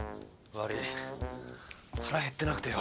悪い腹減ってなくてよ。